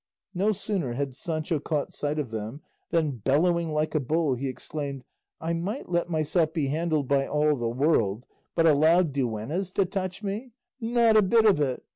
No sooner had Sancho caught sight of them than, bellowing like a bull, he exclaimed, "I might let myself be handled by all the world; but allow duennas to touch me not a bit of it!